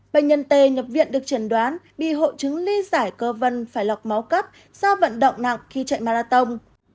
bệnh nhân tê nhập viện được trần đoán bị hộ trứng ly giải cơ vân phải lọc máu cắp do vận động nặng khi chạy marathon